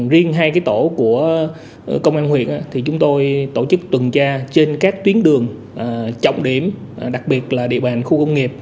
riêng hai tổ của công an huyện thì chúng tôi tổ chức tuần tra trên các tuyến đường trọng điểm đặc biệt là địa bàn khu công nghiệp